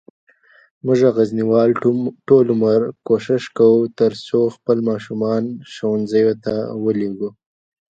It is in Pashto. مونږه غزنیوال ټول عمر کوښښ کووه ترڅوخپل ماشومان ښوونځیوته ولیږو